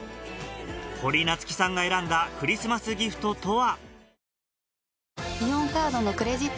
堀夏喜さんが選んだクリスマスギフトとは？